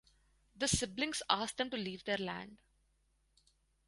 The siblings ask them to leave their land.